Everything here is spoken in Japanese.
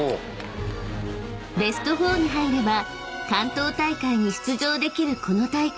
［ベスト４に入れば関東大会に出場できるこの大会］